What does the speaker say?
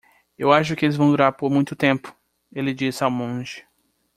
"Eu acho que eles vão durar por muito tempo?" ele disse ao monge.